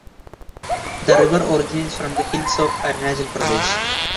The river originates from the hills of Arunachal Pradesh.